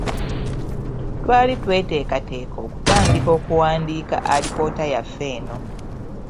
Twali tweteekateeka okutandika okuwandiika alipoota yaffe eno.